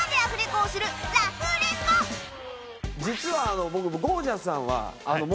実は僕。